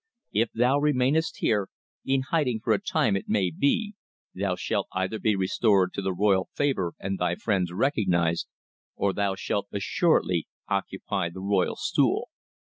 If thou remainest here in hiding for a time it may be thou shalt either be restored to the royal favour and thy friends recognized, or thou shalt assuredly occupy the royal stool.